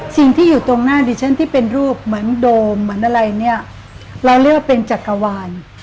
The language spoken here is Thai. สิ่งที่อยู่ตรงหน้าดิฉันที่เป็นรูปเหมือนโดมเหมือนอะไรเนี่ยเราเรียกว่าเป็นจักรวาล